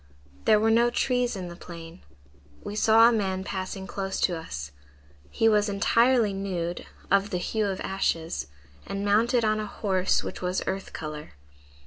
"There were no trees in the plain. We saw a man passing close to us. He was entirely nude, of the hue of ashes, and mounted on a horse which was earth color.